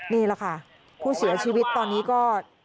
นี่แหละค่ะผู้เสียชีวิตตอนนี้ก็